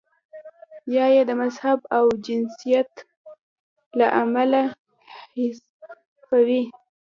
یا یې د مذهب او جنسیت له امله حذفوي.